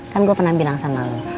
kan gue pernah bilang sama lo